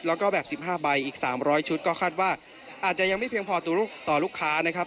แล้วก็แบบ๑๕ใบอีก๓๐๐ชุดก็คาดว่าอาจจะยังไม่เพียงพอต่อลูกค้านะครับ